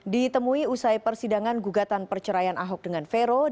ditemui usai persidangan gugatan perceraian ahok dengan vero